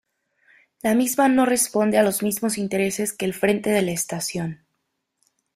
La misma no responde a los mismos intereses que el frente de la estación.